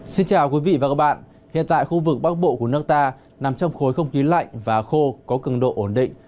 xin chào quý vị và các bạn hiện tại khu vực bắc bộ của nước ta nằm trong khối không khí lạnh và khô có cường độ ổn định